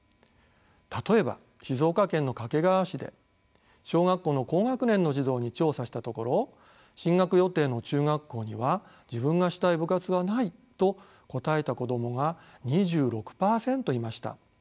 例えば静岡県の掛川市で小学校の高学年の児童に調査したところ進学予定の中学校には自分がしたい部活はないと答えた子供が２６％いました。